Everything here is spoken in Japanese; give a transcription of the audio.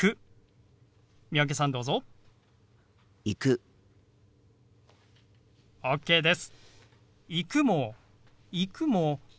「行く」も「行く」も